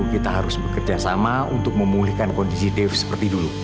kita harus bekerja sama untuk memulihkan kondisi dave seperti dulu